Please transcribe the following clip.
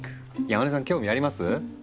山根さん興味あります？